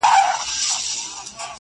اصل په گدله کي، کم اصل په گزبره کي.